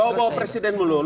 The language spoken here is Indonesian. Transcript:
bawa bawa presiden dulu